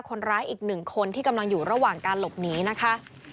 คนร้ายอีก๑คนที่กำลังอยู่ระหว่างการหลบหนีนะครับ